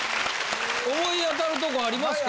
思い当たるとこありますか？